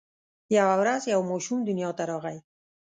یوه ورځ یو ماشوم دنیا ته راغی.